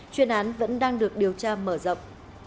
chuyên án vẫn đang được điều tra mở rộng